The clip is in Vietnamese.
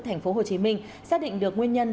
thành phố hồ chí minh xác định được nguyên nhân